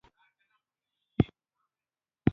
هرات د افغانستان د ښکلا یوه جاذبه ده.